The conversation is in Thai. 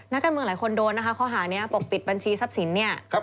นักการเมืองหลายคนโดนนะคะข้อหานี้ปกปิดบัญชีทรัพย์สินเนี่ย